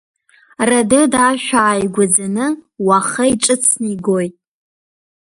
Радеда ашәа ааигәаӡаны, уаха иҽыцны игоит.